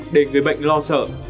để người bệnh lo sợ